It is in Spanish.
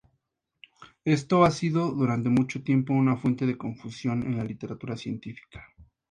Esto ha sido durante mucho tiempo una fuente de confusión en la literatura científica.